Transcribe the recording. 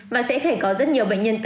và sẽ thể có rất nhiều bệnh nhân tử